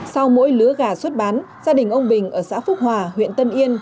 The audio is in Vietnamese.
sau mỗi lứa gà xuất bán gia đình ông bình ở xã phúc hòa huyện tân yên